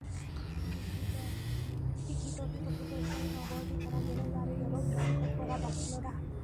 টিকিটটি প্রথম পুরস্কারের নম্বরটি পড়া গেলেও তারিখ এবং বারকোড পড়া যাচ্ছিল না।